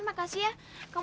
kalo kamu datang